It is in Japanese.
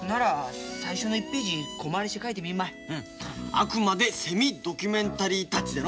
あくまでセミドキュメンタリータッチでの。